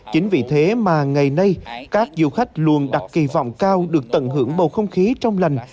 chính vì thế mà ngày nay các du khách luôn đặt kỳ vọng cao được tận hưởng bầu không khí trong lành